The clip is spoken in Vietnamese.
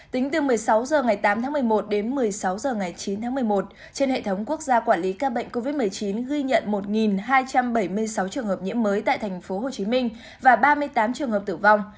tính từ một mươi sáu h ngày tám tháng một mươi một đến một mươi sáu h ngày chín tháng một mươi một trên hệ thống quốc gia quản lý ca bệnh covid một mươi chín ghi nhận một hai trăm bảy mươi sáu trường hợp nhiễm mới tại tp hcm và ba mươi tám trường hợp tử vong